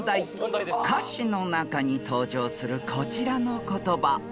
［歌詞の中に登場するこちらの言葉］